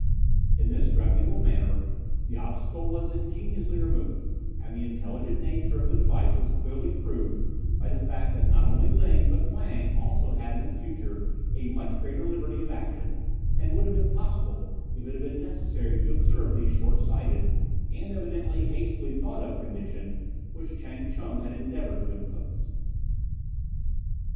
In this reputable manner the obstacle was ingeniously removed, and the intelligent nature of the device was clearly proved by the fact that not only Ling but Wang also had in the future a much greater liberty of action than would have been possible if it had been necessary to observe the short sighted and evidently hastily thought of condition which Chang ch'un had endeavoured to impose.